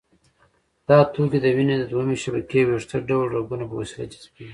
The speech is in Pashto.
دا توکي د وینې د دویمې شبکې ویښته ډوله رګونو په وسیله جذبېږي.